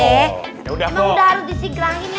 emang udah harus disegerangin ya